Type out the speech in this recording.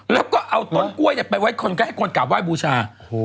แล้วก็จะเอาต้นก้วยหลับไว้คนแก่คนกลับไว้ว่ายบูชา